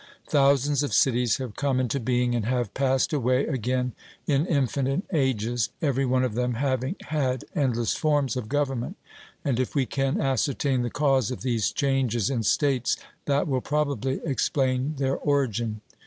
Thousands of cities have come into being and have passed away again in infinite ages, every one of them having had endless forms of government; and if we can ascertain the cause of these changes in states, that will probably explain their origin.